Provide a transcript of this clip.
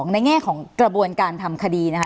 ในแง่ของกระบวนการทำคดีนะคะ